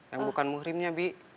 yang bukan muhrimnya bi